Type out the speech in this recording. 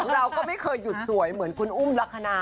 เราก็ไม่เคยหยุดสวยเหมือนคุณอุ้มลักษณะ